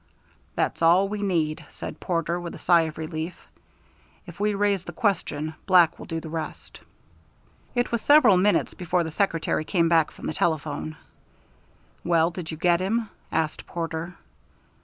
"That's all we need," said Porter, with a sigh of relief. "If we raise the question, Black will do the rest." It was several minutes before the secretary came back from the telephone. "Well, did you get him?" asked Porter.